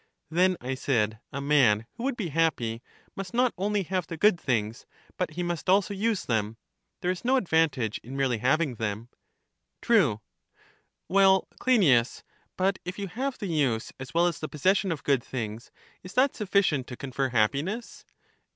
Then, I said, a man who would be happy must not only have the good things, but he must also use them ; there is no advantage in merely having them? True. Well, Cleinias, but if you have the use as well as the possession of good things, is that sufficient to confer happiness?